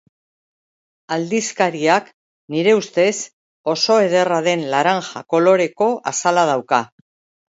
Aldizkariak, nire ustez oso ederra den laranja koloreko azala dauka.